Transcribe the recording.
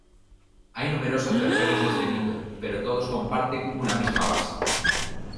Hay numerosas versiones de este mito, pero todos comparten una misma base.